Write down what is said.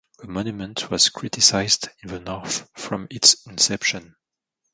The monument was criticized in the North from its inception.